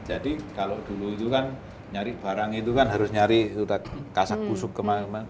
jadi kalau dulu itu kan nyari barang itu kan harus nyari kasak kusuk kemana mana